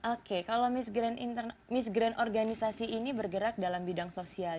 oke kalau misgran organisasi ini bergerak dalam bidang sosial